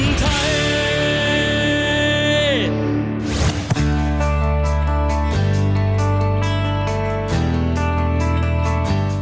เพื่อคนไทย